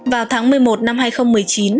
vào tháng một mươi một năm hai nghìn một mươi chín